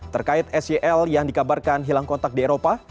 terkait sel yang dikabarkan hilang kontak di eropa